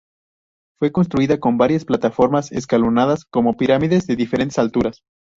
Fue construida con varias plataformas escalonadas como pirámides de diferentes alturas.